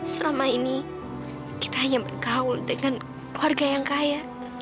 selama ini kita hanya bergaul dengan keluarga yang kaya